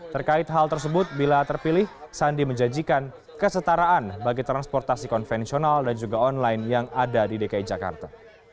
terkait hal tersebut bila terpilih sandi menjanjikan kesetaraan bagi transportasi konvensional dan juga online yang ada di dki jakarta